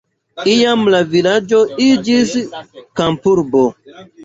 Iam la vilaĝo iĝis kampurbo.